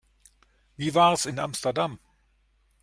Wie war's in Amsterdam?